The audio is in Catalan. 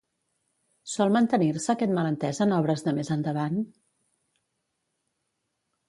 Sol mantenir-se aquest malentès en obres de més endavant?